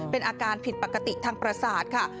เป็นอาการผิดปกติทางประสาทค่ะ